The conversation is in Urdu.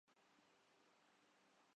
اپنے کھانوں کی قیمت نہیں بڑھائی